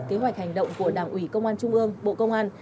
kế hoạch hành động của đảng ủy công an trung ương bộ công an